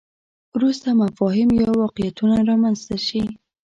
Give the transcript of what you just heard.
وروسته مفاهیم یا واقعیتونه رامنځته شي.